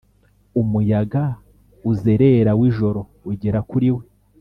umuyaga uzerera wijoro ugera kuri we